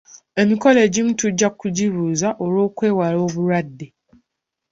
Emikolo egimu tujja kugibuuza olw'okwewala obulwadde.